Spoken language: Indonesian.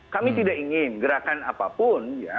kami tidak ingin gerakan apapun ya